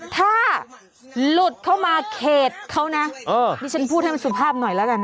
ถ้าหลุดเข้ามาเขตเขานะดิฉันพูดให้มันสุภาพหน่อยแล้วกัน